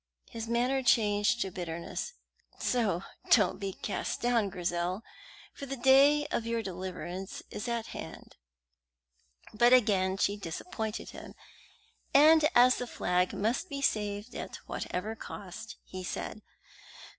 His manner changed to bitterness. "So don't be cast down, Grizel, for the day of your deliverance is at hand." But again she disappointed him, and as the flag must be saved at whatever cost, he said.